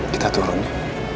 kita turun ya